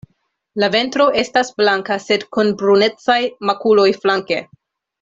La ventro estas blanka sed kun brunecaj makuloj flanke.